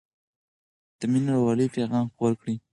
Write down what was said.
د مینې او ورورولۍ پيغام خپور کړئ.